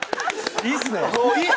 いいっすね！